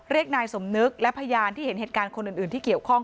นายสมนึกและพยานที่เห็นเหตุการณ์คนอื่นที่เกี่ยวข้อง